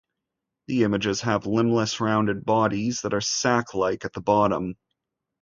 The images have limbless, rounded bodies that are sack-like at the bottom.